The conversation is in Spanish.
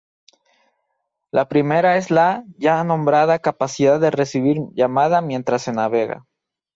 La primera es la, ya nombrada capacidad de recibir llamada mientras se navega.